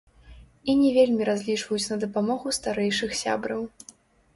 І не вельмі разлічваюць на дапамогу старэйшых сябраў.